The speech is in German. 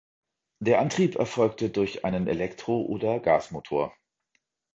Der Antrieb erfolgte durch einen Elektro- oder Gasmotor.